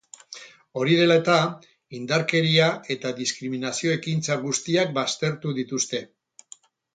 Hori dela eta, indarkeria eta diskriminazio ekintza guztiak baztertu dituzte.